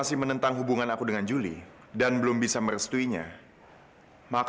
sampai jumpa di video selanjutnya